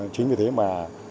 chính vì thế mà